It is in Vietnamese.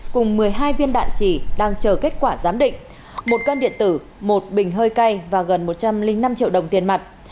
cùng một mươi hai viên đạn chỉ đang chờ kết quả giám định một cân điện tử một bình hơi cay và gần một trăm linh năm triệu đồng tiền mặt